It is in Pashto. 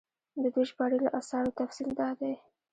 د دوي ژباړلي اثارو تفصيل دا دی